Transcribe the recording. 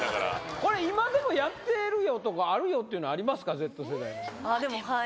これ、今でもやってるよとか、あるよっていうのありますか、でも、はい。